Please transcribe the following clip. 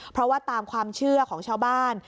เพราะว่าตามความเชื่อของชาวบ้าน